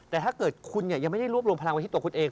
แต่ถ้าเกิดคุณยังไม่ได้รวบรวมพลังวันที่ตัวคุณเอง